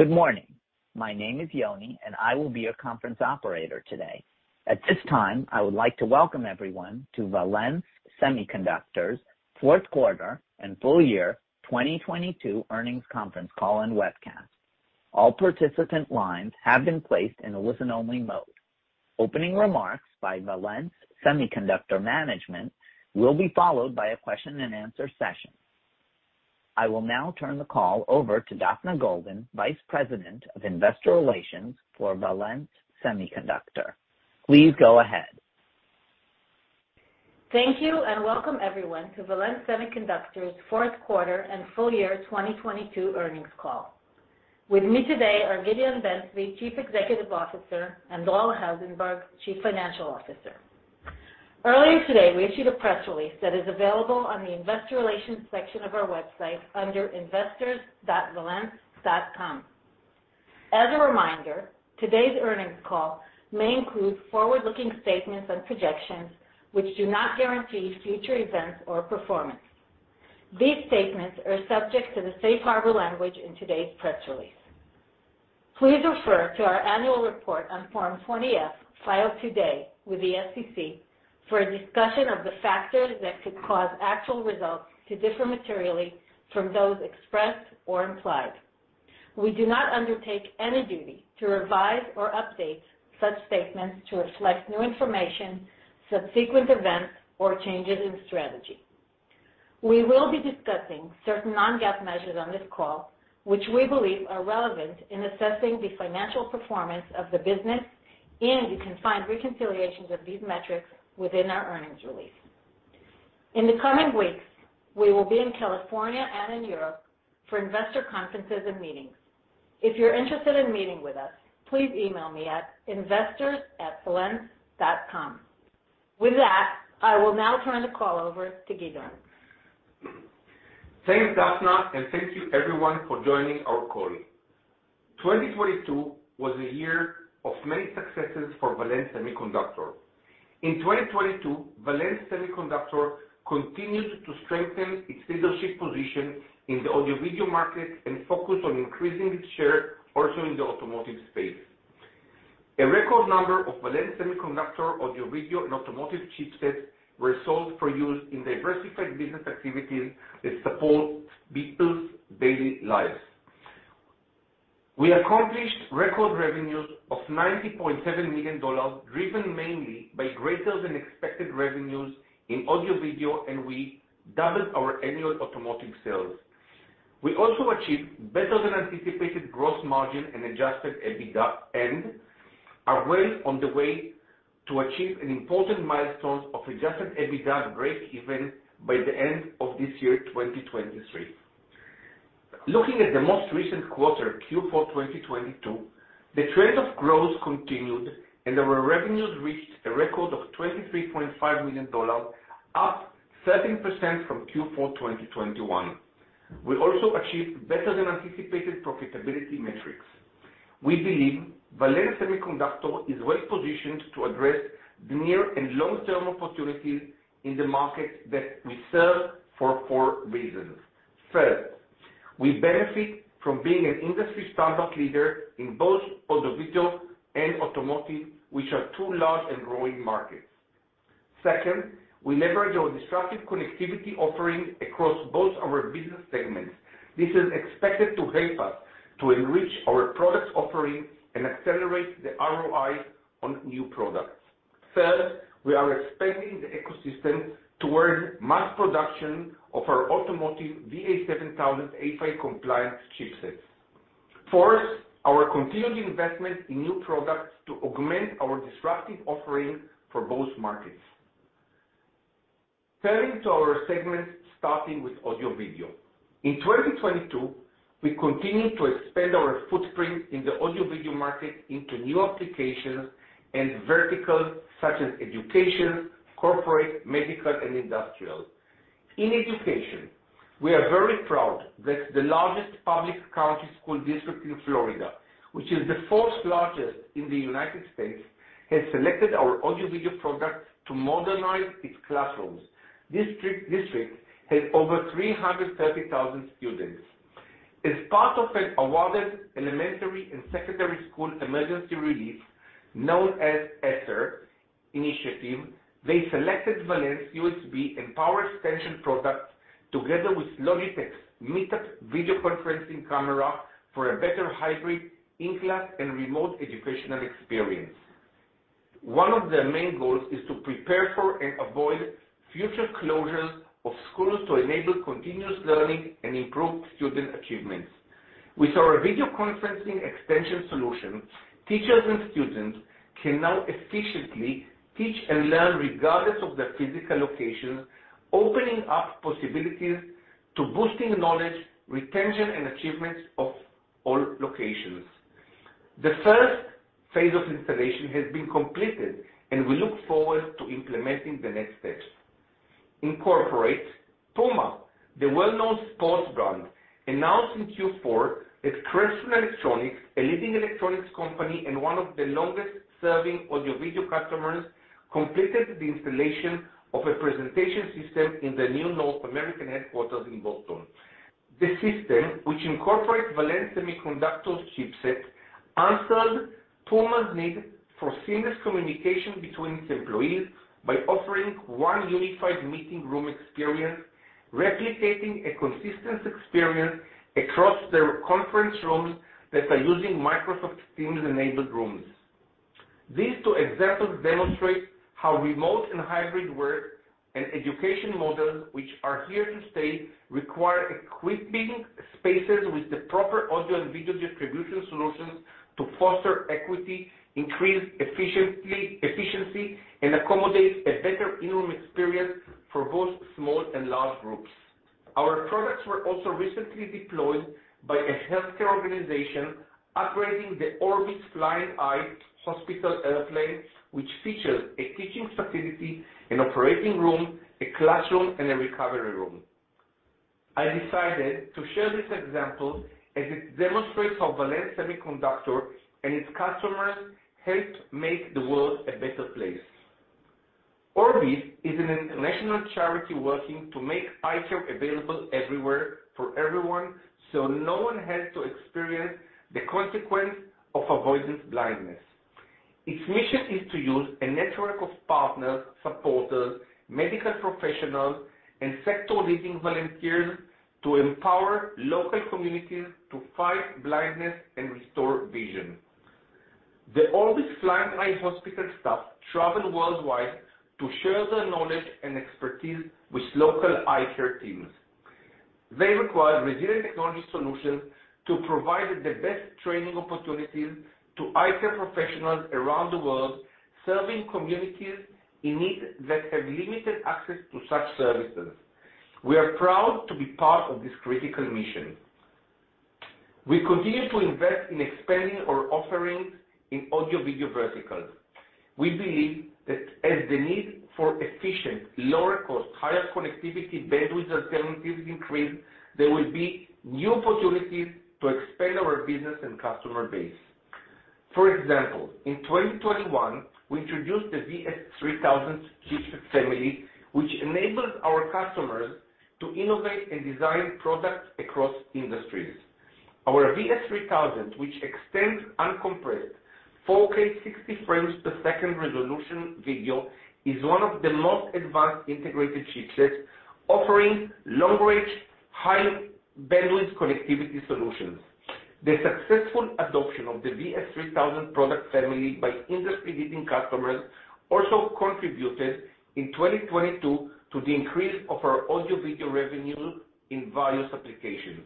Good morning. My name is Yoni, and I will be your conference operator today. At this time, I would like to welcome everyone to Valens Semiconductor's Fourth Quarter and Full Year 2022 Earnings Conference Call and webcast. All participant lines have been placed in a listen-only mode. Opening remarks by Valens Semiconductor management will be followed by a question-and-answer session. I will now turn the call over to Daphna Golden, Vice President of Investor Relations for Valens Semiconductor. Please go ahead. Thank you. Welcome everyone to Valens Semiconductor's Fourth Quarter and Full Year 2022 Earnings Call. With me today are Gideon Ben-Zvi, Chief Executive Officer, and Dror Heldenberg, Chief Financial Officer. Earlier today, we issued a press release that is available on the investor relations section of our website under investors.valens.com. As a reminder, today's earnings call may include forward-looking statements and projections which do not guarantee future events or performance. These statements are subject to the safe harbor language in today's press release. Please refer to our annual report on Form 20-F, filed today with the SEC, for a discussion of the factors that could cause actual results to differ materially from those expressed or implied. We do not undertake any duty to revise or update such statements to reflect new information, subsequent events, or changes in strategy. We will be discussing certain Non-GAAP measures on this call, which we believe are relevant in assessing the financial performance of the business. You can find reconciliations of these metrics within our earnings release. In the coming weeks, we will be in California and in Europe for investor conferences and meetings. If you're interested in meeting with us, please email me at investors@valens.com. With that, I will now turn the call over to Gideon. Thanks, Daphna, and thank you everyone for joining our call. 2022 was a year of many successes for Valens Semiconductor. In 2022, Valens Semiconductor continued to strengthen its leadership position in the audio-video market and focus on increasing its share also in the automotive space. A record number of Valens Semiconductor audio-video and automotive chipsets were sold for use in diversified business activities that support people's daily lives. We accomplished record revenues of $90.7 million, driven mainly by greater than expected revenues in audio-video, and we doubled our annual automotive sales. We also achieved better than anticipated gross margin and adjusted EBITDA and are well on the way to achieve an important milestone of adjusted EBITDA breakeven by the end of this year, 2023. Looking at the most recent quarter, Q4 2022, the trend of growth continued. Our revenues reached a record of $23.5 million, up 13% from Q4 2021. We also achieved better than anticipated profitability metrics. We believe Valens Semiconductor is well-positioned to address the near and long-term opportunities in the market that we serve for four reasons. First, we benefit from being an industry standard leader in both audio-video and automotive, which are two large and growing markets. Second, we leverage our disruptive connectivity offering across both our business segments. This is expected to help us to enrich our products offering and accelerate the ROI on new products. Third, we are expanding the ecosystem towards mass production of our automotive VA7000 A-PHY compliant chipsets. Fourth, our continued investment in new products to augment our disruptive offering for both markets. Turning to our segments, starting with audio-video. In 2022, we continued to expand our footprint in the audio-video market into new applications and verticals such as education, corporate, medical, and industrial. In education, we are very proud that the largest public county school district in Florida, which is the fourth largest in the United States, has selected our audio-video product to modernize its classrooms. This district has over 330,000 students. As part of an awarded Elementary and Secondary School Emergency Relief, known as ESSER initiative, they selected Valens USB and power extension products together with Logitech's MeetUp video conferencing camera for a better hybrid in-class and remote educational experience. One of their main goals is to prepare for and avoid future closures of schools to enable continuous learning and improve student achievements. With our video conferencing extension solution, teachers and students can now efficiently teach and learn regardless of their physical locations, opening up possibilities to boosting knowledge, retention, and achievements of all locations. The first phase of installation has been completed, and we look forward to implementing the next steps. In corporate, Puma, the well-known sports brand, announced in Q4 that Crestron Electronics, a leading electronics company and one of the longest-serving audio video customers, completed the installation of a presentation system in the new North American headquarters in Boston. The system, which incorporates Valens Semiconductor's chipset, answered Puma's need for seamless communication between its employees by offering one unified meeting room experience, replicating a consistent experience across their conference rooms that are using Microsoft Teams-enabled rooms. These two examples demonstrate how remote and hybrid work and education models, which are here to stay, require equipping spaces with the proper audio and video distribution solutions to foster equity, increase efficiency, and accommodate a better in-room experience for both small and large groups. Our products were also recently deployed by a healthcare organization upgrading the Orbis Flying Eye Hospital airplane, which features a teaching facility, an operating room, a classroom, and a recovery room. I decided to share this example as it demonstrates how Valens Semiconductor and its customers helped make the world a better place. Orbis is an international charity working to make eye care available everywhere for everyone, so no one has to experience the consequence of avoidance blindness. Its mission is to use a network of partners, supporters, medical professionals, and sector-leading volunteers to empower local communities to fight blindness and restore vision. The Orbis Flying Eye Hospital staff travel worldwide to share their knowledge and expertise with local eye care teams. They require resilient technology solutions to provide the best training opportunities to eye care professionals around the world, serving communities in need that have limited access to such services. We are proud to be part of this critical mission. We continue to invest in expanding our offerings in audio/video verticals. We believe that as the need for efficient, lower cost, higher connectivity bandwidth alternatives increase, there will be new opportunities to expand our business and customer base. For example, in 2021, we introduced the VS3000 chipset family, which enables our customers to innovate and design products across industries. Our VS3000, which extends uncompressed 4K 60 frames per second resolution video, is one of the most advanced integrated chipsets offering long-range, high bandwidth connectivity solutions. The successful adoption of the VS3000 product family by industry-leading customers also contributed in 2022 to the increase of our audio/video revenue in various applications.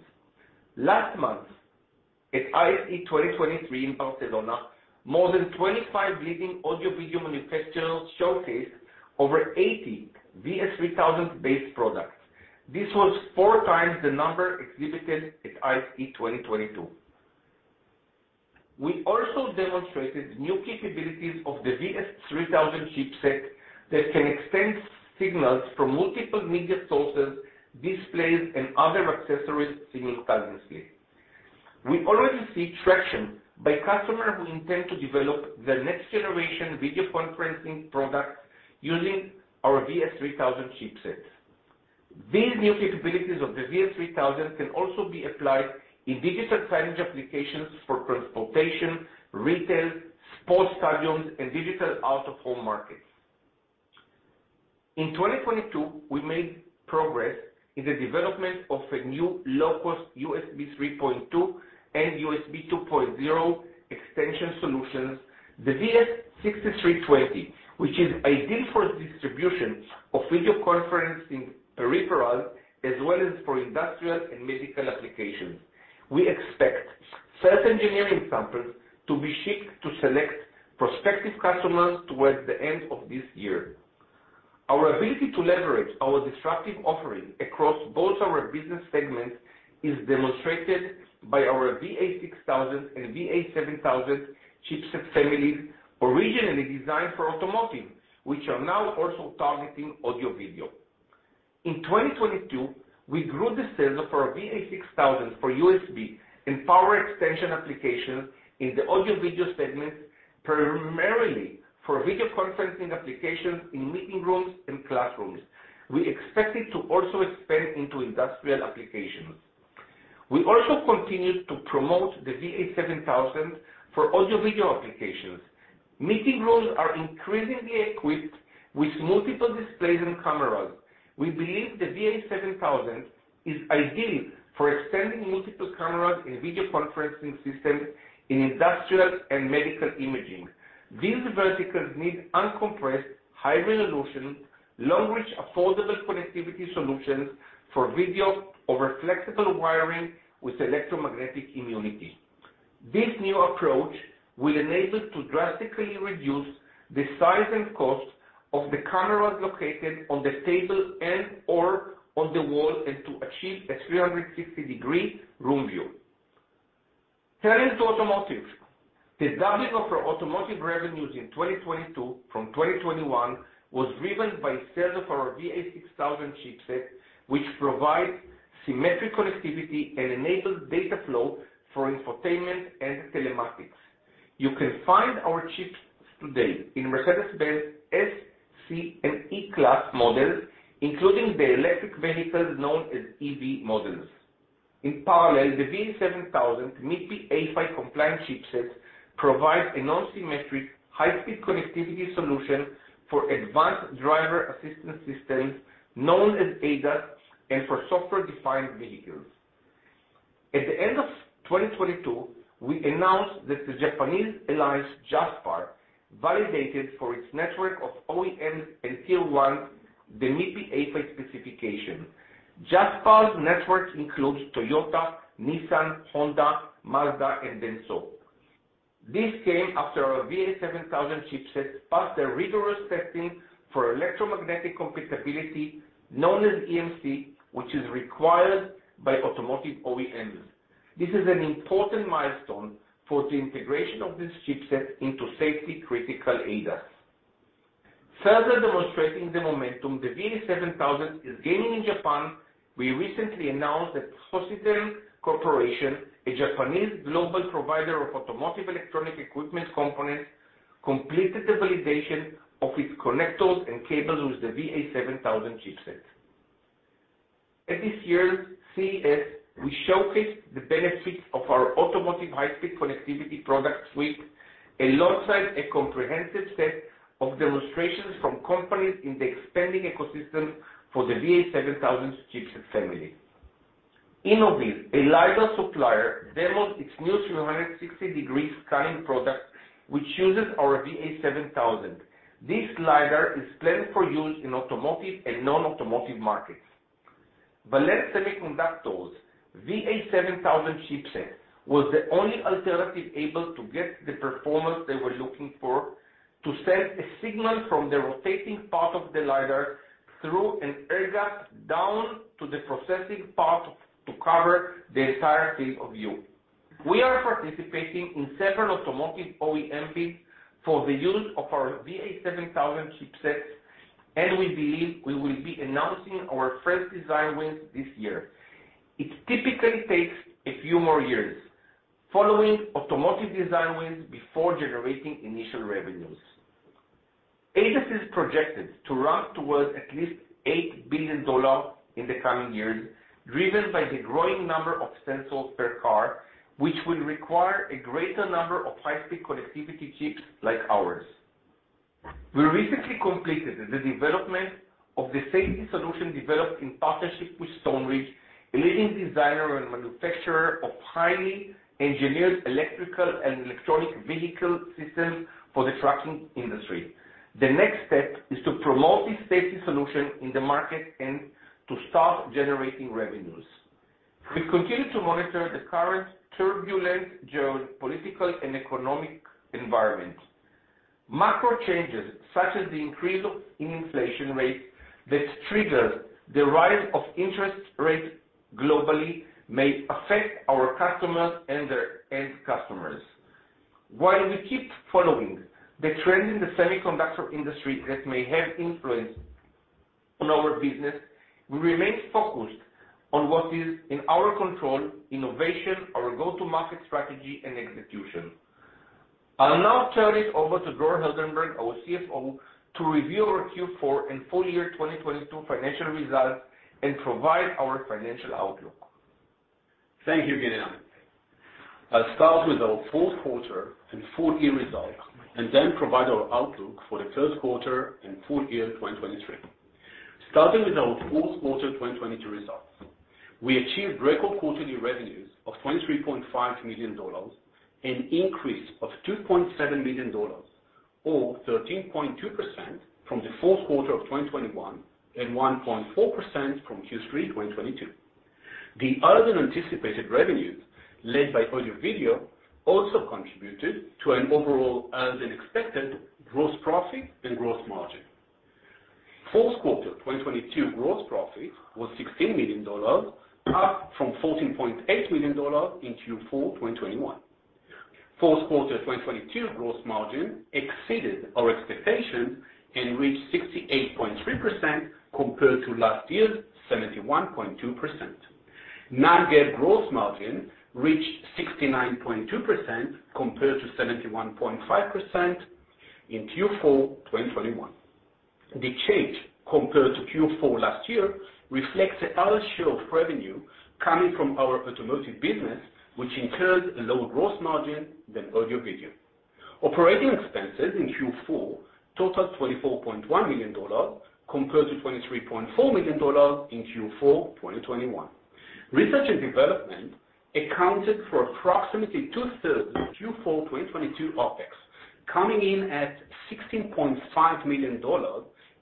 Last month, at ISE 2023 in Barcelona, more than 25 leading audio/video manufacturers showcased over 80 VS3000-based products. This was four times the number exhibited at ISE 2022. We also demonstrated new capabilities of the VS3000 chipset that can extend signals from multiple media sources, displays, and other accessories simultaneously. We already see traction by customers who intend to develop the next generation video conferencing products using our VS3000 chipset. These new capabilities of the VS3000 can also be applied in digital signage applications for transportation, retail, sports stadiums, and digital out of home markets. In 2022, we made progress in the development of a new low-cost USB 3.2 and USB 2.0 extension solutions, the VS6320, which is ideal for distribution of video conferencing peripherals, as well as for industrial and medical applications. We expect first engineering samples to be shipped to select prospective customers towards the end of this year. Our ability to leverage our disruptive offerings across both our business segments is demonstrated by our VA6000 and VA7000 chipset families originally designed for automotive, which are now also targeting audio/video. In 2022, we grew the sales for our VA6000 for USB and power extension applications in the audio/video segment, primarily for video conferencing applications in meeting rooms and classrooms. We expect it to also expand into industrial applications. We also continued to promote the VA7000 for audio/video applications. Meeting rooms are increasingly equipped with multiple displays and cameras. We believe the VA7000 is ideal for extending multiple cameras in video conferencing systems in industrial and medical imaging. These verticals need uncompressed, high resolution, long-range, affordable connectivity solutions for video over flexible wiring with electromagnetic immunity. This new approach will enable to drastically reduce the size and cost of the cameras located on the table and or on the wall and to achieve a 360 degree room view. Turning to automotive. The doubling of our automotive revenues in 2022 from 2021 was driven by sales of our VA6000 chipset, which provides symmetric connectivity and enables data flow for infotainment and telematics. You can find our chips today in Mercedes-Benz S, C, and E-class models, including the electric vehicles known as EV models. In parallel, the VA7000 MIPI A-PHY compliant chipset provides a non-symmetric high-speed connectivity solution for advanced driver assistance systems known as ADAS and for software-defined vehicles. At the end of 2022, we announced that the Japanese alliance JASPAR validated for its network of OEMs and tier one the MIPI A-PHY specification. JASPAR's networks includes Toyota, Nissan, Honda, Mazda, and DENSO. This came after our VA7000 chipset passed a rigorous testing for electromagnetic compatibility known as EMC, which is required by automotive OEMs. This is an important milestone for the integration of this chipset into safety-critical ADAS. Further demonstrating the momentum the VA7000 is gaining in Japan, we recently announced that Hosiden Corporation, a Japanese global provider of automotive electronic equipment components, completed the validation of its connectors and cables with the VA7000 chipset. At this year's CES, we showcased the benefits of our automotive high-speed connectivity product suite alongside a comprehensive set of demonstrations from companies in the expanding ecosystem for the VA7000 chipset family. Innoviz, a LIDAR supplier, demos its new 360 degrees scanning product, which uses our VA7000. This LiDAR is planned for use in automotive and non-automotive markets. Valens Semiconductor VA7000 chipset was the only alternative able to get the performance they were looking for to send a signal from the rotating part of the LiDAR through an air gap down to the processing part to cover the entire field of view. We are participating in several automotive OEMP for the use of our VA7000 chipsets, and we believe we will be announcing our first design wins this year. It typically takes a few more years following automotive design wins before generating initial revenues. ADAS is projected to ramp towards at least $8 billion in the coming years, driven by the growing number of sensors per car, which will require a greater number of high-speed connectivity chips like ours. We recently completed the development of the safety solution developed in partnership with Stoneridge, a leading designer and manufacturer of highly engineered electrical and electronic vehicle systems for the trucking industry. The next step is to promote this safety solution in the market and to start generating revenues. We continue to monitor the current turbulent geopolitical and economic environment. Macro changes such as the increase in inflation rate that triggers the rise of interest rates globally may affect our customers and their end customers. While we keep following the trend in the semiconductor industry that may have influence on our business, we remain focused on what is in our control, innovation, our go-to-market strategy, and execution. I'll now turn it over to Dror Heldenberg, our CFO, to review our Q4 and full year 2022 financial results and provide our financial outlook. Thank you, Gideon. I'll start with our fourth quarter and full year results and then provide our outlook for the first quarter and full year 2023. Starting with our fourth quarter 2022 results, we achieved record quarterly revenues of $23.5 million, an increase of $2.7 million or 13.2% from the fourth quarter of 2021, and 1.4% from Q3 2022. The other anticipated revenues led by audio video also contributed to an overall as expected gross profit and gross margin. Fourth quarter 2022 gross profit was $16 million, up from $14.8 million in Q4 2021. Fourth quarter 2022 gross margin exceeded our expectations and reached 68.3% compared to last year's 71.2%. Non-GAAP gross margin reached 69.2% compared to 71.5% in Q4 2021. The change compared to Q4 last year reflects the other share of revenue coming from our automotive business, which incurs a lower gross margin than audio-video. Operating expenses in Q4 totaled $24.1 million compared to $23.4 million in Q4 2021. Research and development accounted for approximately two-thirds of Q4 2022 OpEx, coming in at $16.5 million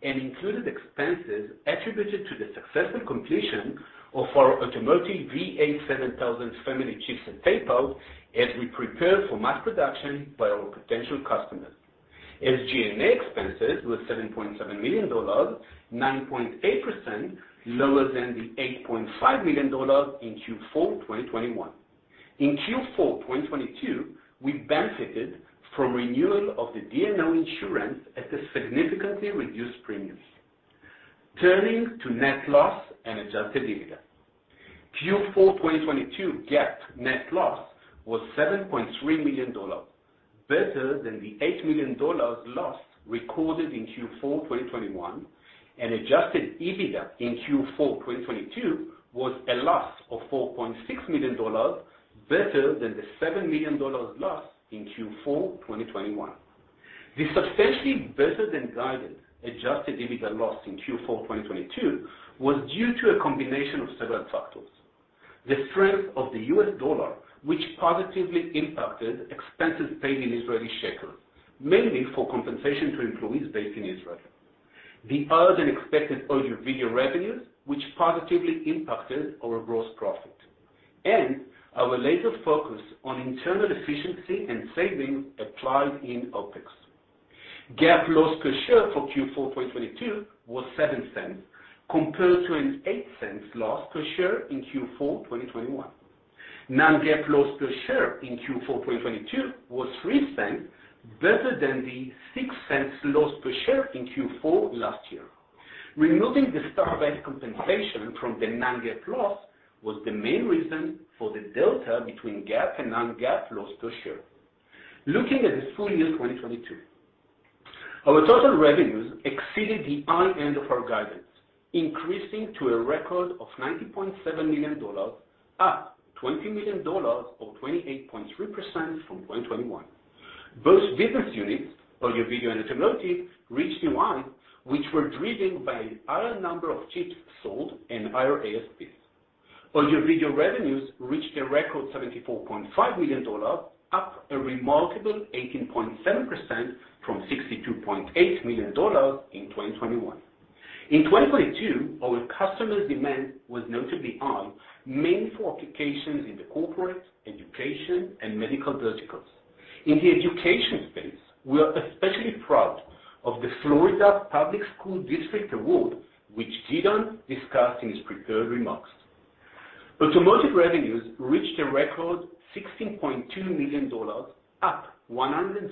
and included expenses attributed to the successful completion of our automotive VA7000 family chipset tape-out as we prepare for mass production by our potential customers. SG&A expenses were $7.7 million, 9.8% lower than the $8.5 million in Q4 2021. In Q4 2022, we benefited from renewal of the D&O insurance at a significantly reduced premium. Turning to net loss and adjusted EBITDA. Q4 2022 GAAP net loss was $7.3 million, better than the $8 million loss recorded in Q4 2021. Adjusted EBITDA in Q4 2022 was a loss of $4.6 million, better than the $7 million loss in Q4 2021. The substantially better than guided adjusted EBITDA loss in Q4 2022 was due to a combination of several factors. The strength of the U.S. dollar, which positively impacted expenses paid in Israeli shekel, mainly for compensation to employees based in Israel. The higher-than-expected audio-video revenues, which positively impacted our gross profit. Our laser focus on internal efficiency and savings applied in OpEx. GAAP loss per share for Q4 2022 was $0.07 compared to an $0.08 loss per share in Q4 2021. Non-GAAP loss per share in Q4 2022 was $0.03, better than the $0.06 loss per share in Q4 last year. Removing the stock-based compensation from the Non-GAAP loss was the main reason for the delta between GAAP and Non-GAAP loss per share. Looking at the full year 2022, our total revenues exceeded the high end of our guidance, increasing to a record of $90.7 million, up $20 million or 28.3% from 2021. Both business units, audio-video and automotive, reached new high, which were driven by higher number of chips sold and higher ASPs. Audio video revenues reached a record $74.5 million, up a remarkable 18.7% from $62.8 million in 2021. In 2022, our customers' demand was notably high, mainly for applications in the corporate, education, and medical verticals. In the education space, we are especially proud of the Florida Public School District award, which Gideon discussed in his prepared remarks. Automotive revenues reached a record $16.2 million, up 105%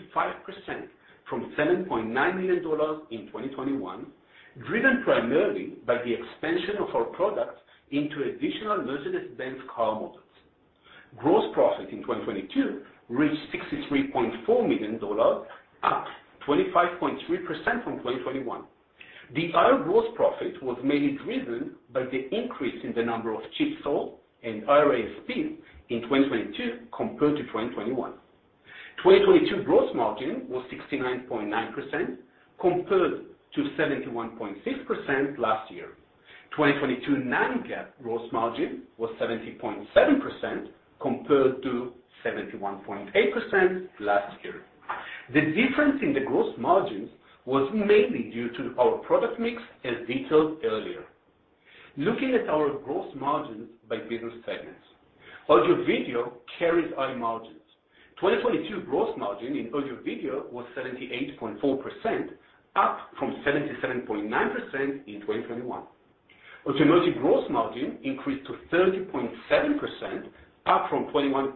from $7.9 million in 2021, driven primarily by the expansion of our products into additional Mercedes-Benz car models. Gross profit in 2022 reached $63.4 million, up 25.3% from 2021. The higher gross profit was mainly driven by the increase in the number of chips sold and higher ASP in 2022 compared to 2021. 2022 gross margin was 69.9% compared to 71.6% last year. 2022 Non-GAAP gross margin was 70.7% compared to 71.8% last year. The difference in the gross margins was mainly due to our product mix, as detailed earlier. Looking at our gross margins by business segments, audio-video carries high margins. 2022 gross margin in audio-video was 78.4%, up from 77.9% in 2021. Automotive gross margin increased to 30.7%, up from 21.2%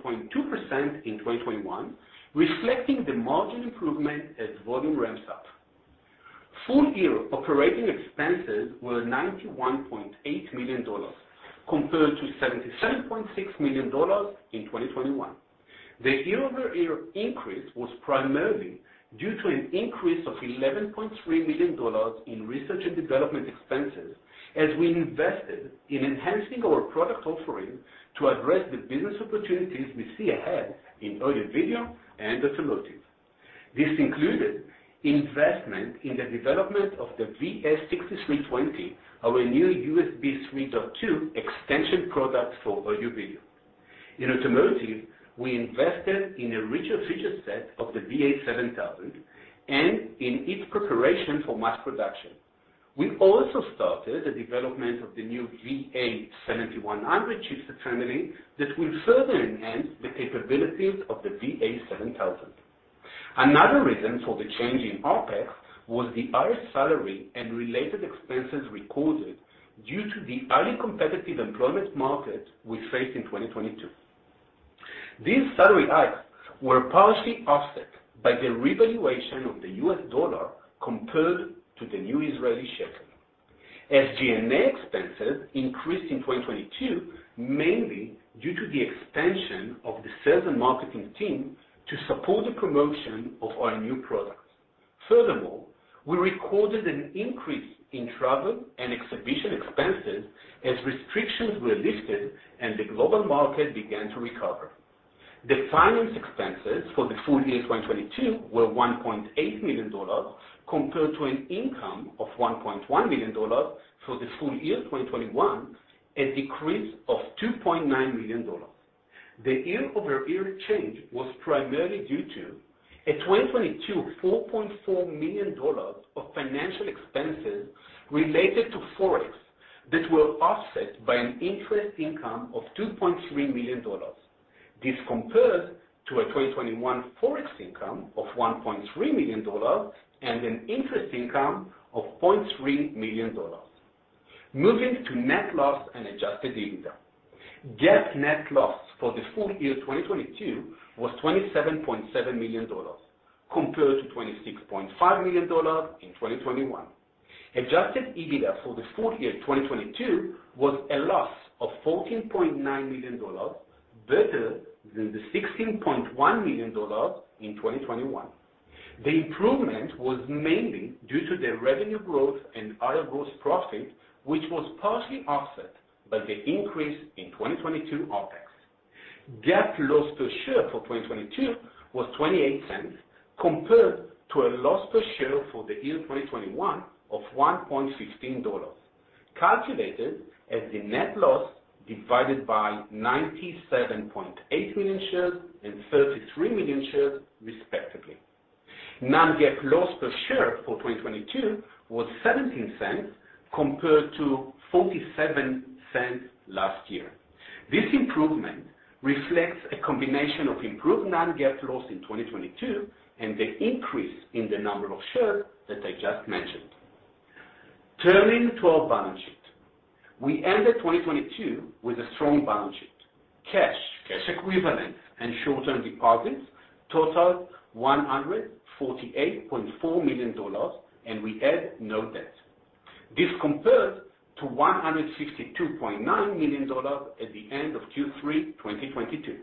in 2021, reflecting the margin improvement as volume ramps up. Full year operating expenses were $91.8 million, compared to $77.6 million in 2021. The year-over-year increase was primarily due to an increase of $11.3 million in research and development expenses as we invested in enhancing our product offering to address the business opportunities we see ahead in audio-video and automotive. This included investment in the development of the VS6320, our new USB 3.2 extension product for audio-video. In automotive, we invested in a richer feature set of the VA7000 and in its preparation for mass production. We also started the development of the new VA7100 chip family that will further enhance the capabilities of the VA7000. Another reason for the change in OpEx was the higher salary and related expenses recorded due to the highly competitive employment market we faced in 2022. These salary hikes were partially offset by the revaluation of the US dollar compared to the new Israeli shekel. SG&A expenses increased in 2022, mainly due to the expansion of the sales and marketing team to support the promotion of our new products. Furthermore, we recorded an increase in travel and exhibition expenses as restrictions were lifted and the global market began to recover. The finance expenses for the full year 2022 were $1.8 million compared to an income of $1.1 million for the full year 2021, a decrease of $2.9 million. The year-over-year change was primarily due to a 2022 $4.4 million of financial expenses related to Forex that were offset by an interest income of $2.3 million. This compares to a 2021 Forex income of $1.3 million and an interest income of $0.3 million. Moving to net loss and adjusted EBITDA. GAAP net loss for the full year 2022 was $27.7 million compared to $26.5 million in 2021. Adjusted EBITDA for the full year 2022 was a loss of $14.9 million, better than the $16.1 million in 2021. The improvement was mainly due to the revenue growth and higher gross profit, which was partially offset by the increase in 2022 OpEx. GAAP loss per share for 2022 was $0.28, compared to a loss per share for the year 2021 of $1.16, calculated as the net loss divided by 97.8 million shares and 33 million shares, respectively. Non-GAAP loss per share for 2022 was $0.17 compared to $0.47 last year. This improvement reflects a combination of improved non-GAAP loss in 2022 and the increase in the number of shares that I just mentioned. Turning to our balance sheet. We ended 2022 with a strong balance sheet. Cash, cash equivalents, and short-term deposits totaled $148.4 million, and we had no debt. This compares to $162.9 million at the end of Q3 2022.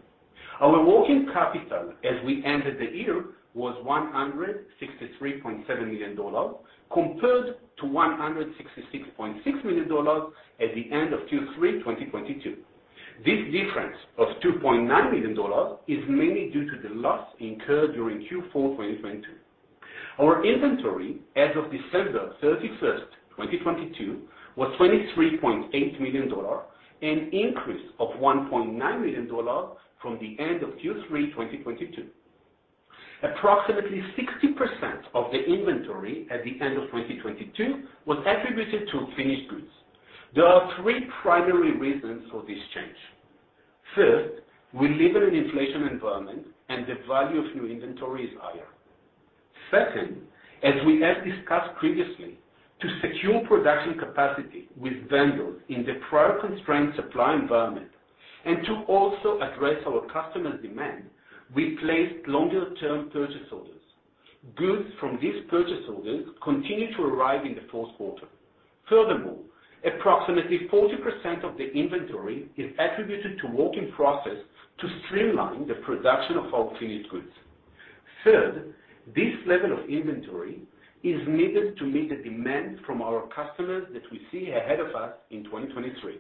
Our working capital as we ended the year was $163.7 million, compared to $166.6 million at the end of Q3 2022. This difference of $2.9 million is mainly due to the loss incurred during Q4 2022. Our inventory as of December 31, 2022, was $23.8 million, an increase of $1.9 million from the end of Q3 2022. Approximately 60% of the inventory at the end of 2022 was attributed to finished goods. There are three primary reasons for this change. First, we live in an inflation environment, and the value of new inventory is higher. Second, as we have discussed previously, to secure production capacity with vendors in the prior constrained supply environment and to also address our customers' demand, we placed longer-term purchase orders. Goods from these purchase orders continued to arrive in the fourth quarter. Furthermore, approximately 40% of the inventory is attributed to work in process to streamline the production of our finished goods. Third, this level of inventory is needed to meet the demand from our customers that we see ahead of us in 2023.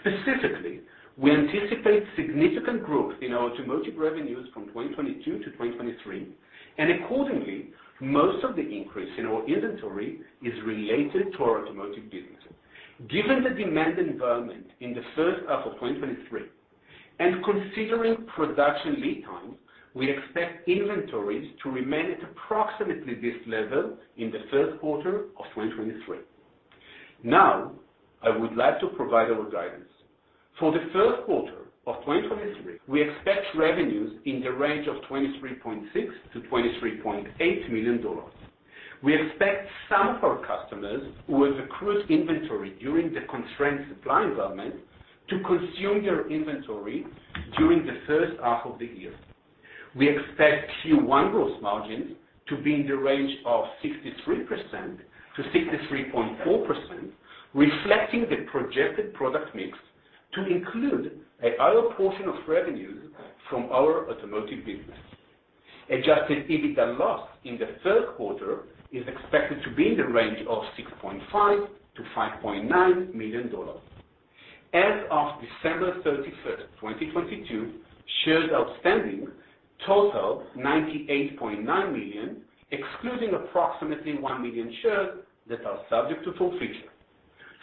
Specifically, we anticipate significant growth in our automotive revenues from 2022 to 2023, and accordingly, most of the increase in our inventory is related to our automotive business. Given the demand environment in the first half of 2023 and considering production lead times, we expect inventories to remain at approximately this level in the first quarter of 2023. Now I would like to provide our guidance. For the first quarter of 2023, we expect revenues in the range of $23.6 million-$23.8 million. We expect some of our customers who have accrued inventory during the constrained supply environment to consume their inventory during the first half of the year. We expect Q1 gross margin to be in the range of 63%-63.4%, reflecting the projected product mix to include a higher portion of revenues from our automotive business. Adjusted EBITDA loss in the third quarter is expected to be in the range of $6.5 million-$5.9 million. As of December 31, 2022, shares outstanding total 98.9 million, excluding approximately 1 million shares that are subject to full vesting.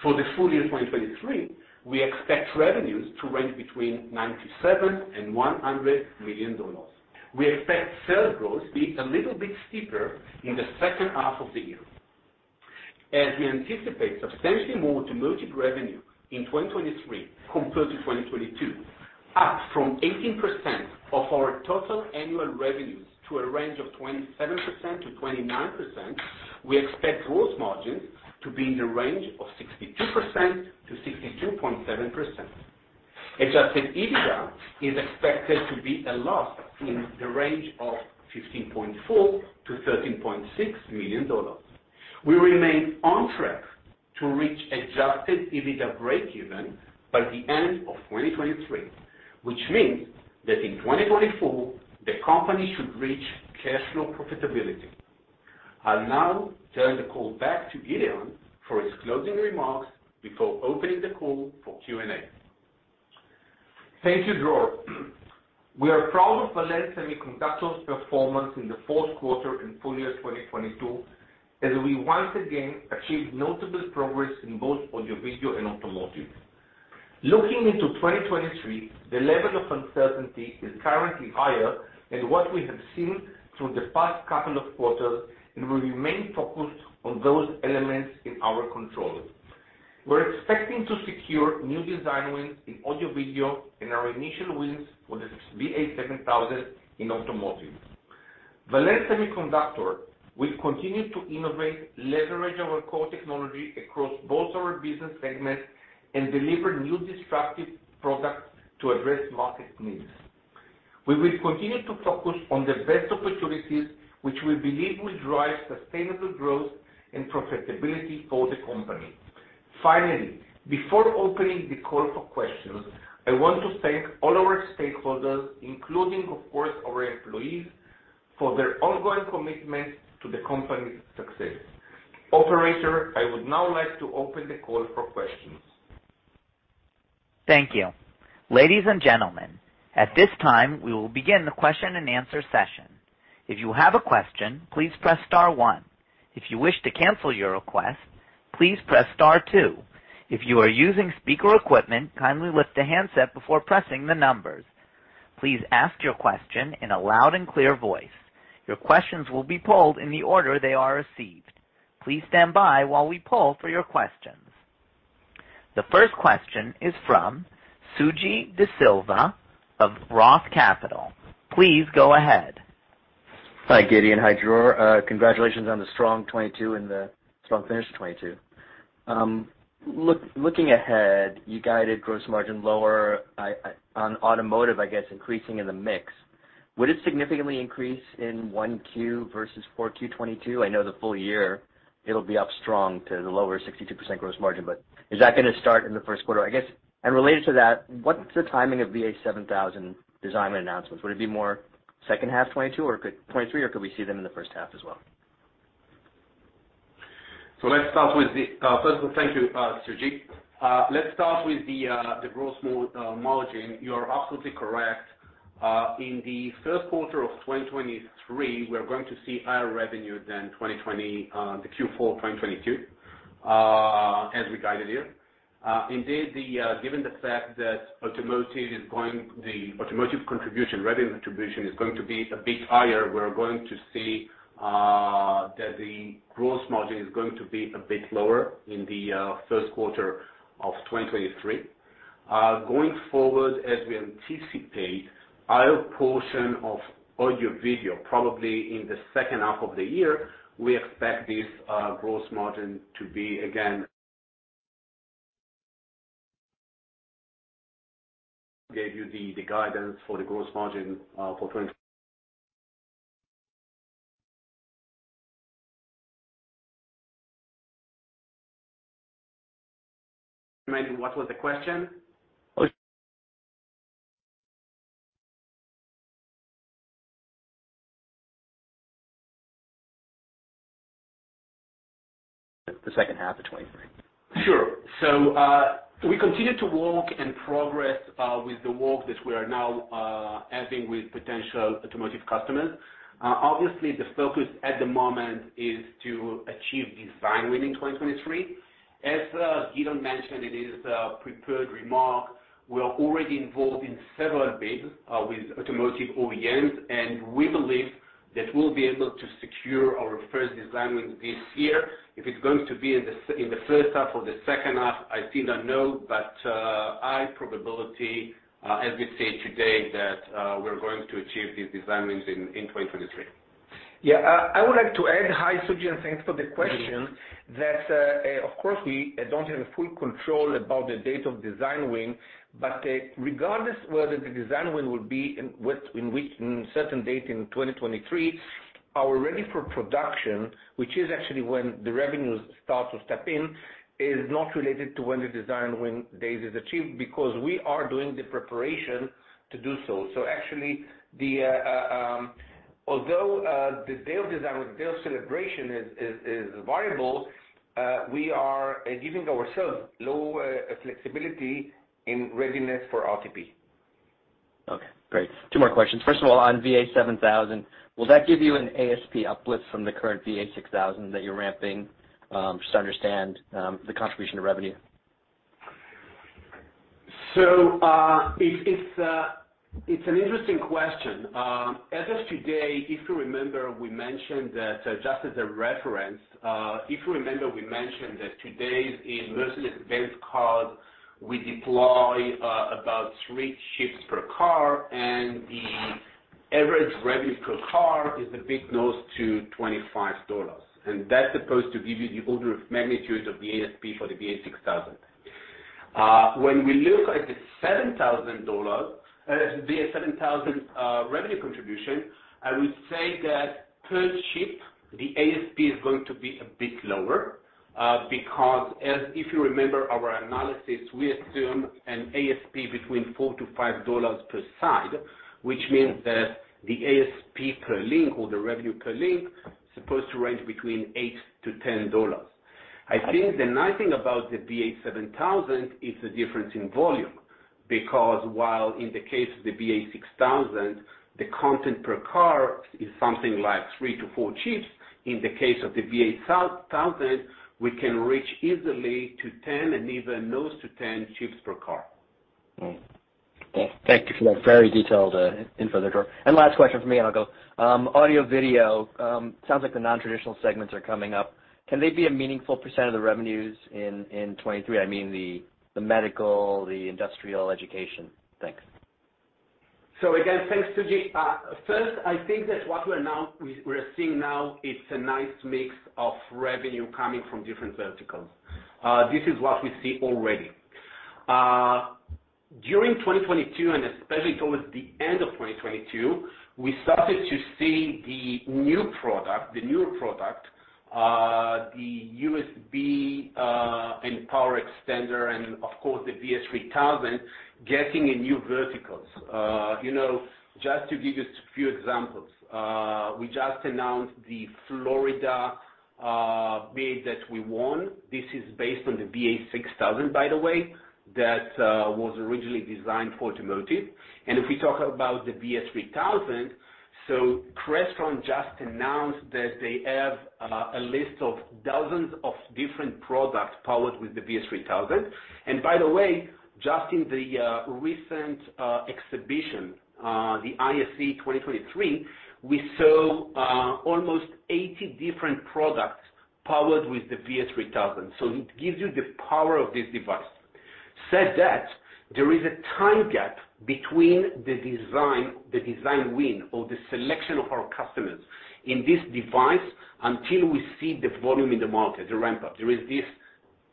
For the full year 2023, we expect revenues to range between $97 million and $100 million. We expect sales growth to be a little bit steeper in the second half of the year. As we anticipate substantially more automotive revenue in 2023 compared to 2022, up from 18% of our total annual revenues to a range of 27%-29%, we expect gross margin to be in the range of 62%-62.7%. Adjusted EBITDA is expected to be a loss in the range of $15.4 million-$13.6 million. We remain on track to reach Adjusted EBITDA breakeven by the end of 2023, which means that in 2024, the company should reach cash flow profitability. I'll now turn the call back to Gideon for his closing remarks before opening the call for Q&A. Thank you, Dror. We are proud of Valens Semiconductor's performance in the fourth quarter and full year 2022, as we once again achieved notable progress in both audio/video and automotive. Looking into 2023, the level of uncertainty is currently higher than what we have seen through the past couple of quarters, and we remain focused on those elements in our control. We're expecting to secure new design wins in audio/video and our initial wins for the VA7000 in automotive. Valens Semiconductor will continue to innovate, leverage our core technology across both our business segments, and deliver new disruptive products to address market needs. We will continue to focus on the best opportunities which we believe will drive sustainable growth and profitability for the company. Finally, before opening the call for questions, I want to thank all our stakeholders, including, of course, our employees, for their ongoing commitment to the company's success. Operator, I would now like to open the call for questions. Thank you. Ladies and gentlemen, at this time, we will begin the question-and-answer session. If you have a question, please press star 1. If you wish to cancel your request, please press star 2. If you are using speaker equipment, kindly lift the handset before pressing the numbers. Please ask your question in a loud and clear voice. Your questions will be polled in the order they are received. Please stand by while we poll for your questions. The first question is from Suji Desilva of Roth Capital. Please go ahead. Hi, Gideon. Hi, Dror. Congratulations on the strong 2022 and the strong finish of 2022. Looking ahead, you guided gross margin lower, on automotive, I guess, increasing in the mix. Would it significantly increase in 1Q versus 4Q 2022? I know the full year it'll be up strong to the lower 62% gross margin, but is that gonna start in the first quarter? I guess, related to that, what's the timing of VA7000 design win announcements? Would it be more second half 2022 or 2023 or could we see them in the first half as well? Let's start with the first thank you, Suji. Let's start with the gross margin. You are absolutely correct. In the first quarter of 2023, we are going to see higher revenue than Q4 of 2022, as we guided you. Indeed, given the fact that automotive contribution, revenue contribution is going to be a bit higher, we're going to see that the gross margin is going to be a bit lower in the first quarter of 2023. Going forward, as we anticipate higher portion of audio video, probably in the second half of the year, we expect this gross margin to be again gave you the guidance for the gross margin for 20. Remind me what was the question? The second half of 2023. Sure. We continue to work and progress with the work that we are now having with potential automotive customers. Obviously, the focus at the moment is to achieve design win in 2023. As Gideon mentioned in his prepared remark, we are already involved in several bids with automotive OEMs, and we believe that we'll be able to secure our first design win this year. If it's going to be in the first half or the second half, I still don't know, but high probability as we say today, that we're going to achieve these design wins in 2023. Yeah. I would like to add, hi Suji, and thanks for the question. That, of course, we don't have full control about the date of design win, but regardless whether the design win will be in which certain date in 2023, our ready for production, which is actually when the revenues start to step in, is not related to when the design win date is achieved because we are doing the preparation to do so. Actually the, although, the day of design win, the day of celebration is variable, we are giving ourselves low flexibility in readiness for RTP. Okay, great. Two more questions. First of all on VA7000, will that give you an ASP uplift from the current VA6000 that you're ramping, just to understand the contribution to revenue? It's an interesting question. As of today, if you remember, we mentioned that just as a reference, if you remember, we mentioned that today in Mercedes-Benz cars we deploy about three chips per car and the average revenue per car is a bit close to $25, and that's supposed to give you the order of magnitude of the ASP for the VA6000. When we look at the seven thousand dollar VA7000 revenue contribution, I would say that per chip the ASP is going to be a bit lower because as if you remember our analysis, we assume an ASP between $4-$5 per side, which means that the ASP per link or the revenue per link is supposed to range between $8-$10. I think the nice thing about the VA7000 is the difference in volume because while in the case of the VA6000 the content per car is something like 3-4 chips, in the case of the VA thousand we can reach easily to 10 and even close to 10 chips per car. Okay. Thank you for that very detailed info there, Dror. Last question from me and I'll go. Audio-video, sounds like the non-traditional segments are coming up. Can they be a meaningful % of the revenues in 23? I mean the medical, the industrial education. Thanks. Again, thanks Suji. First, I think that what we're seeing now, it's a nice mix of revenue coming from different verticals. This is what we see already. During 2022, and especially towards the end of 2022, we started to see the new product, the newer product, the USB, and power extender and of course, the VS3000 getting in new verticals. You know, just to give you just a few examples, we just announced the Florida bid that we won. This is based on the VA6000, by the way that was originally designed for automotive. If we talk about the VS3000, Crestron just announced that they have a list of dozens of different products powered with the VS3000. by the way, just in the recent exhibition, the ISE 2023, we saw almost 80 different products powered with the VS3000. It gives you the power of this device. Said that, there is a time gap between the design, the design win or the selection of our customers in this device until we see the volume in the market, the ramp up. There is this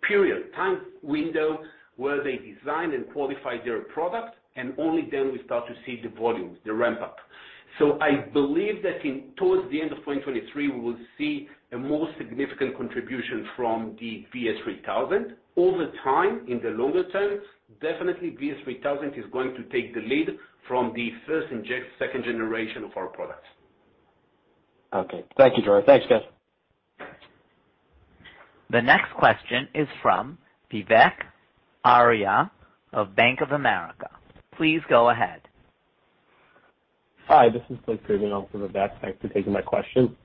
period, time window, where they design and qualify their product, and only then we start to see the volumes, the ramp up. I believe that in towards the end of 2023, we will see a more significant contribution from the VS3000. Over time, in the longer term, definitely VS3000 is going to take the lead from the first and second generation of our products. Thank you, Dror Heldenberg. Thanks, guys. The next question is from Vivek Arya of Bank of America. Please go ahead. Hi, this is Vivek Arya. Also, Vivek. Thanks for taking my question.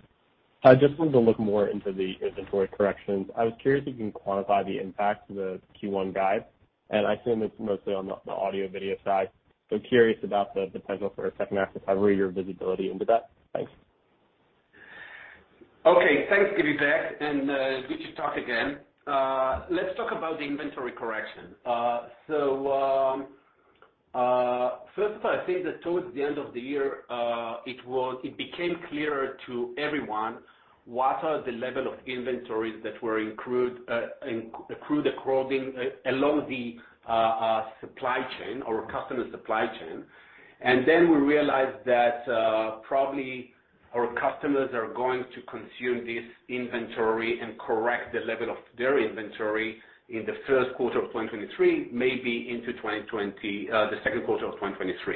I just wanted to look more into the inventory corrections. I was curious if you can quantify the impact to the Q1 guide, I assume it's mostly on the audio-video side. Curious about the potential for a second half, if I read your visibility into that. Thanks. Okay, thanks, Vivek, good to talk again. Let's talk about the inventory correction. First of all, I think that towards the end of the year, it became clearer to everyone what are the level of inventories that were accrued across the along the supply chain or customer supply chain. We realized that probably our customers are going to consume this inventory and correct the level of their inventory in the first quarter of 2023, maybe into the second quarter of 2023.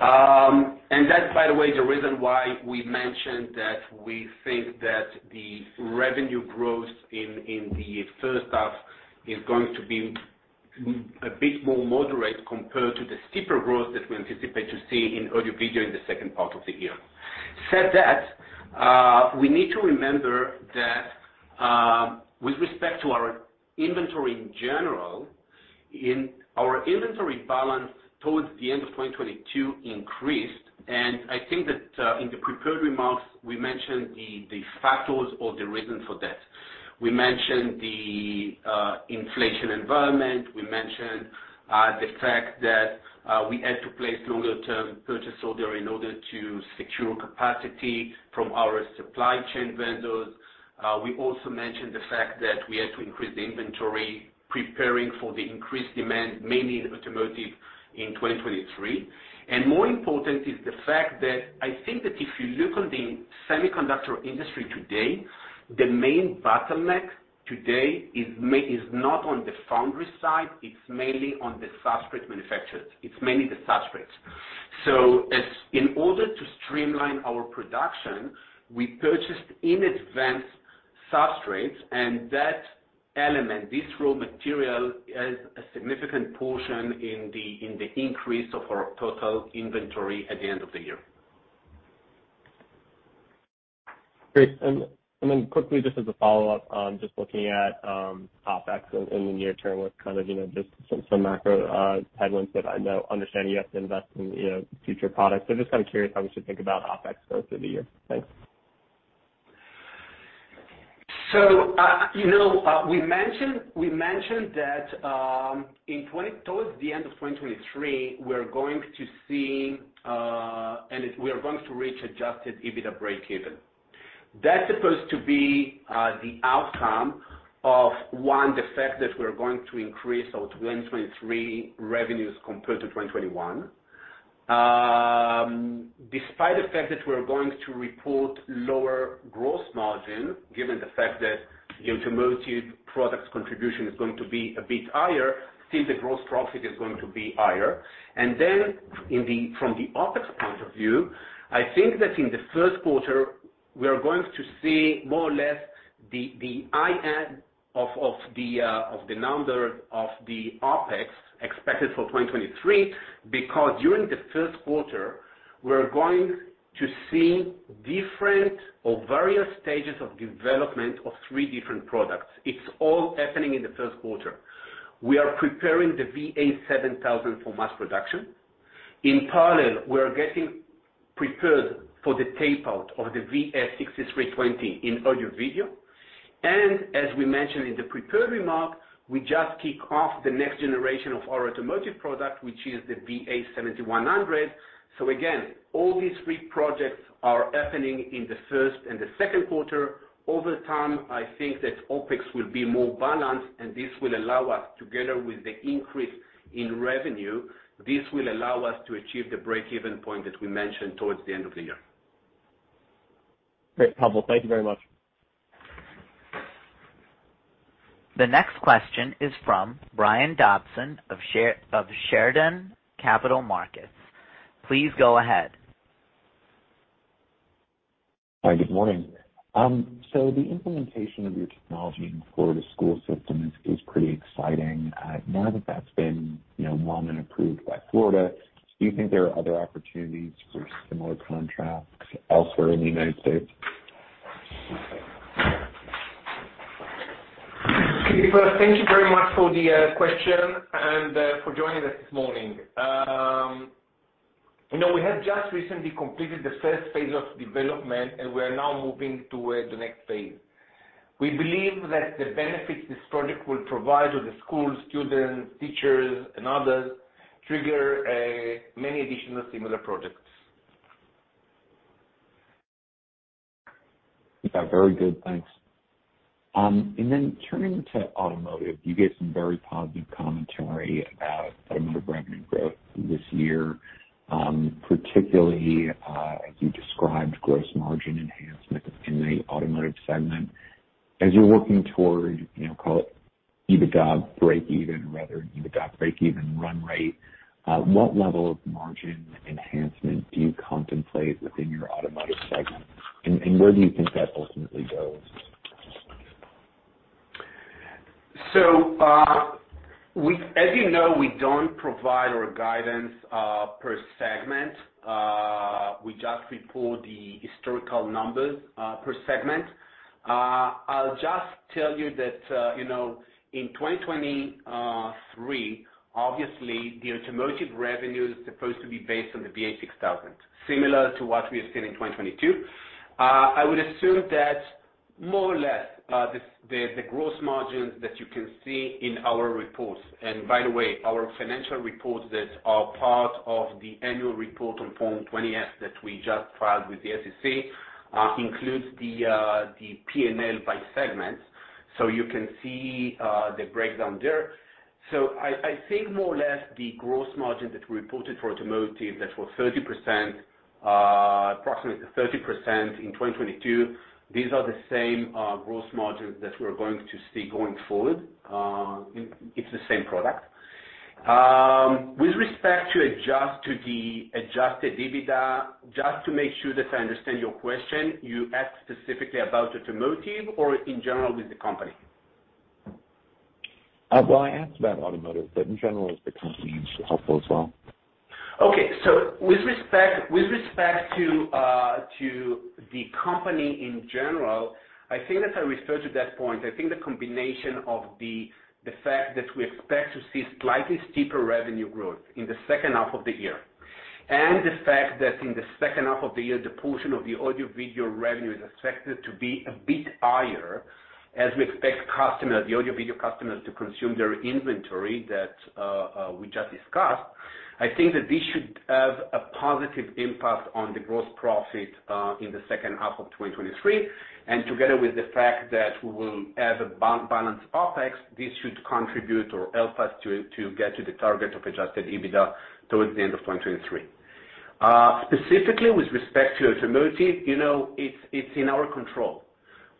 That, by the way, the reason why we mentioned that we think that the revenue growth in the first half is going to be a bit more moderate compared to the steeper growth that we anticipate to see in audio/video in the second part of the year. Said that, we need to remember that with respect to our inventory in general, in our inventory balance towards the end of 2022 increased, and I think that in the prepared remarks, we mentioned the factors or the reason for that. We mentioned the inflation environment. We mentioned the fact that we had to place longer term purchase order in order to secure capacity from our supply chain vendors. We also mentioned the fact that we had to increase the inventory, preparing for the increased demand, mainly in automotive in 2023. More important is the fact that I think that if you look on the semiconductor industry today, the main bottleneck today is not on the foundry side, it's mainly on the substrate manufacturers. It's mainly the substrates. In order to streamline our production, we purchased in advance substrates, and that element, this raw material, is a significant portion in the increase of our total inventory at the end of the year. Great. Quickly, just as a follow-up on just looking at OpEx in the near term with kind of, you know, just some macro headlines that I know, understanding you have to invest in, you know, future products. Just kind of curious how we should think about OpEx going through the year. Thanks. You know, we mentioned that towards the end of 2023, we are going to reach adjusted EBITDA breakeven. That's supposed to be the outcome of, one, the fact that we're going to increase our 2023 revenues compared to 2021. Despite the fact that we are going to report lower gross margin, given the fact that the automotive products contribution is going to be a bit higher, still the gross profit is going to be higher. From the OpEx point of view, I think that in the first quarter, we are going to see more or less the high end of the number of the OpEx expected for 2023 because during the first quarter, we're going to see different or various stages of development of 3 different products. It's all happening in the first quarter. We are preparing the VA7000 for mass production. In parallel, we are preparing for the tape-out of the VS6320 in audio-video. As we mentioned in the prepared remark, we just kick off the next generation of our automotive product, which is the VA7100. Again, all these 3 projects are happening in the first and the second quarter. Over time, I think that OpEx will be more balanced, and this will allow us together with the increase in revenue, this will allow us to achieve the break-even point that we mentioned towards the end of the year. Great, Pavel. Thank you very much. The next question is from Brian Dobson of Chardan Capital Markets. Please go ahead. Hi, good morning. The implementation of your technology in Florida school system is pretty exciting. Now that that's been, you know, won and approved by Florida, do you think there are other opportunities for similar contracts elsewhere in the United States? Okay. Well, thank you very much for the question and for joining us this morning. You know, we have just recently completed the first phase of development, and we are now moving to the next phase. We believe that the benefits this project will provide to the schools, students, teachers and others trigger many additional similar projects. Very good. Thanks. Then turning to automotive, you gave some very positive commentary about automotive revenue growth this year, particularly, as you described gross margin enhancement in the automotive segment. As you're working toward, you know, call it EBITDA breakeven, rather EBITDA breakeven run rate, what level of margin enhancement do you contemplate within your automotive segment? Where do you think that ultimately goes? As you know, we don't provide our guidance per segment. We just report the historical numbers per segment. I'll just tell you that, you know, in 2023, obviously the automotive revenue is supposed to be based on the VA6000, similar to what we have seen in 2022. I would assume that more or less, the gross margins that you can see in our reports, and by the way, our financial reports that are part of the annual report on Form 20-F that we just filed with the SEC, includes the P&L by segment. You can see the breakdown there. I think more or less the gross margin that we reported for automotive, that was 30%, approximately 30% in 2022, these are the same gross margins that we're going to see going forward. It's the same product. With respect to the adjusted EBITDA, just to make sure that I understand your question, you asked specifically about automotive or in general with the company? Well, I asked about automotive, but in general with the company is helpful as well. With respect to the company in general, I think as I referred to that point, I think the combination of the fact that we expect to see slightly steeper revenue growth in the second half of the year. The fact that in the second half of the year, the portion of the audio video revenue is expected to be a bit higher as we expect customers, the audio video customers to consume their inventory that we just discussed. I think that this should have a positive impact on the gross profit in the second half of 2023. Together with the fact that we will have a balanced OpEx, this should contribute or help us to get to the target of adjusted EBITDA towards the end of 2023. Specifically with respect to automotive, you know, it's in our control.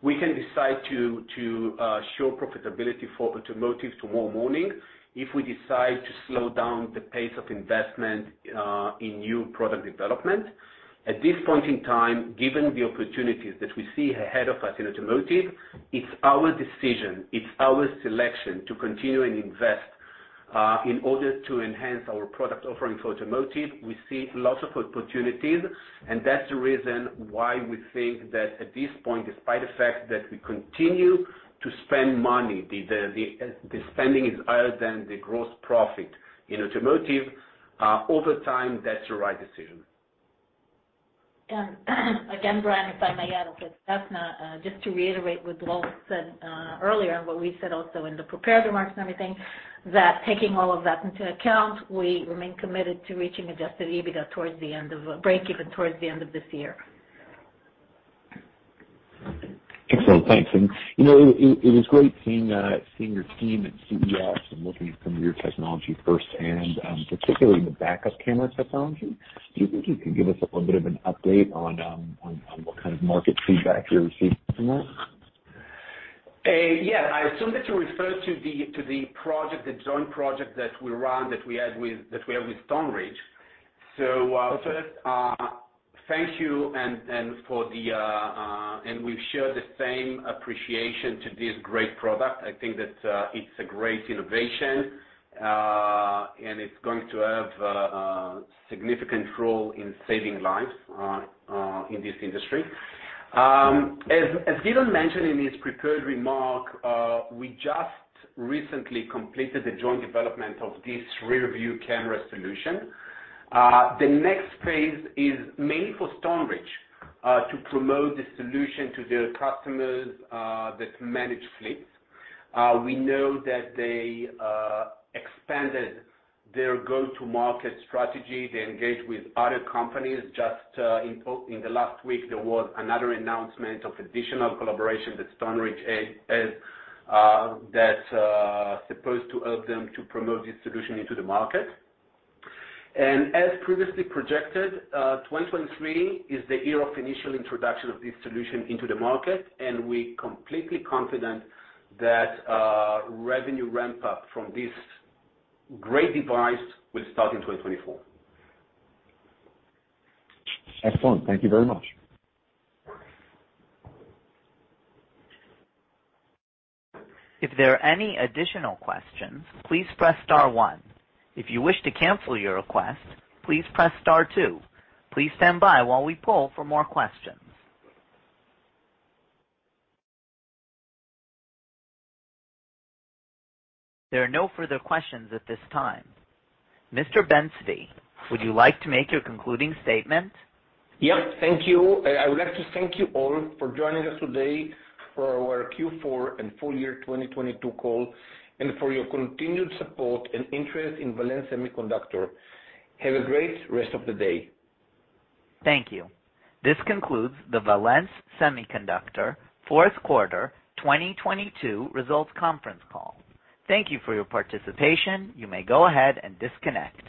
We can decide to show profitability for automotive tomorrow morning if we decide to slow down the pace of investment in new product development. At this point in time, given the opportunities that we see ahead of us in automotive, it's our decision, it's our selection to continue and invest in order to enhance our product offering for automotive. We see lots of opportunities, and that's the reason why we think that at this point, despite the fact that we continue to spend money, the spending is higher than the gross profit in automotive over time, that's the right decision. Again, Brian, if I may add also, it's Dana. Just to reiterate what ror said earlier and what we said also in the prepared remarks and everything, that taking all of that into account, we remain committed to reaching adjusted EBITDA break even towards the end of this year. Excellent. Thanks. You know, it was great seeing your team at CES and looking at some of your technology firsthand, particularly the backup camera technology. Do you think you can give us a little bit of an update on what kind of market feedback you're receiving from that? Yeah. I assume that you refer to the project, the joint project that we have with Stoneridge. First, thank you and for the and we share the same appreciation to this great product. I think that it's a great innovation and it's going to have a significant role in saving lives in this industry. As Gideon mentioned in his prepared remark, we just recently completed the joint development of this rearview camera solution. The next phase is mainly for Stoneridge to promote the solution to their customers that manage fleets. We know that they expanded their go-to-market strategy. They engage with other companies. Just in the last week, there was another announcement of additional collaboration with Stoneridge as that supposed to help them to promote this solution into the market. As previously projected, 2023 is the year of initial introduction of this solution into the market, and we completely confident that revenue ramp-up from this great device will start in 2024. Excellent. Thank you very much. If there are any additional questions, please press star one. If you wish to cancel your request, please press star two. Please stand by while we poll for more questions. There are no further questions at this time. Mr. Ben-Zvi, would you like to make your concluding statement? Yep. Thank you. I would like to thank you all for joining us today for our Q4 and full year 2022 call, and for your continued support and interest in Valens Semiconductor. Have a great rest of the day. Thank you. This concludes the Valens Semiconductor fourth quarter 2022 results conference call. Thank you for your participation. You may go ahead and disconnect.